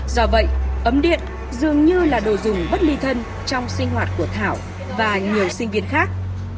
do vậy ấm điện dường như là đồ dùng bất ly thân trong sinh hoạt của thảo và nhiều sinh viên khác